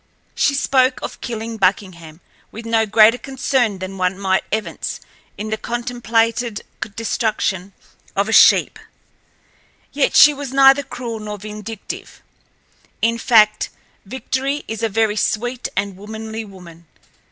She spoke of killing Buckingham with no greater concern than one might evince in the contemplated destruction of a sheep; yet she was neither cruel nor vindictive. In fact, Victory is a very sweet and womanly woman.